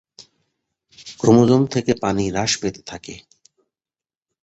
Chromosome থেকে পানি হ্রাস পেতে থাকে।